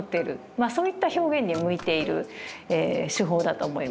そういった表現に向いている手法だと思います。